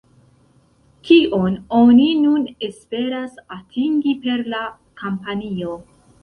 Kion oni nun esperas atingi per la kampanjo?